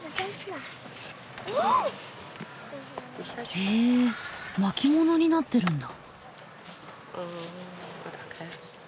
へえ巻物になってるんだ。